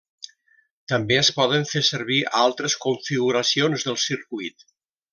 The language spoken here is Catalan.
També es poden fer servir altres configuracions del circuit.